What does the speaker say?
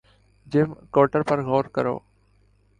جم کورٹر پر غور کرو